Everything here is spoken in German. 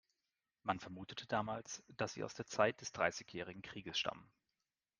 Man vermutete damals, dass sie aus der Zeit des Dreißigjährigen Krieges stammen.